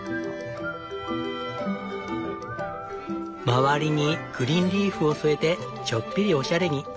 周りにグリーンリーフを添えてちょっぴりおしゃれに。